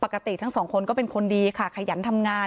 เพราะไม่เคยถามลูกสาวนะว่าไปทำธุรกิจแบบไหนอะไรยังไง